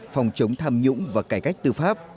phòng chống tham nhũng và cải cách tư pháp